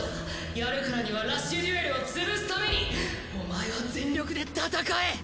やるからにはラッシュデュエルを潰すためにお前は全力で闘え！